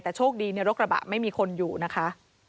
แต่โชคดีในรถกระบะไม่มีคนอยู่นะคะ